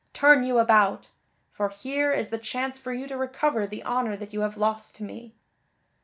Turn you about! For here is the chance for you to recover the honor that you have lost to me."